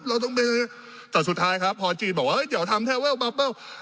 เราต้องเป็นแต่สุดท้ายครับพอจีนบอกว่าเฮ้ยเดี๋ยวทำแทนเวิลบับเบิ้ล